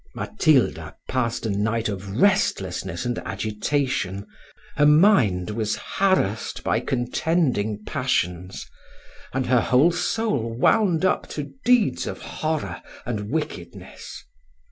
Matilda passed a night of restlessness and agitation: her mind was harassed by contending passions, and her whole soul wound up to deeds of horror and wickedness.